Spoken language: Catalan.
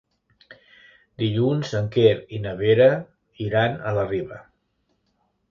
Dilluns en Quer i na Vera iran a la Riba.